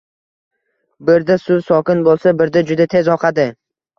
Birda suv sokin bo`lsa, birda juda tez oqadi